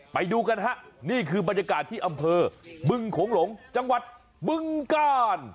ไปดูกันฮะนี่คือบรรยากาศที่อำเภอบึงโขงหลงจังหวัดบึงกาล